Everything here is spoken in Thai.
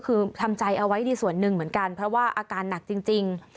คือทำใจเอาไว้ในส่วนหนึ่งเหมือนกันเพราะว่าอาการหนักจริง